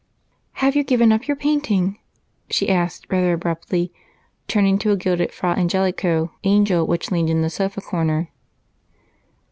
"Have you given up your painting?" she asked rather abruptly, turning to a gilded Fra Angelico angel which leaned in the sofa corner.